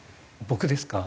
僕ですか？